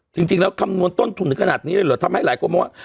จริงแล้วคำนวณต้นทุนถึงขนาดนี้เลยเหรอทำให้หลายคนมองว่า